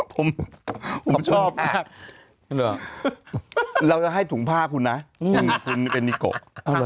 ผมชอบมากเราจะให้ถุงผ้าคุณนะคุณเป็นนิโกะ